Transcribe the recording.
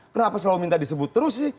kenapa selalu minta disebut terus sih